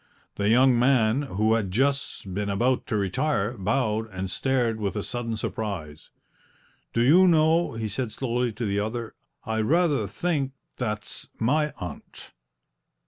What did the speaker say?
The young man, who had just been about to retire, bowed and stared with a sudden surprise. "Do you know," he said slowly to the other, "I rather think that's my aunt!"